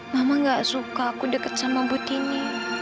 mama gak suka aku dekat sama bu tini